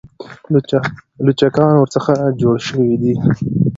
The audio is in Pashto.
لوچکان ورڅخه جوړ شوي دي.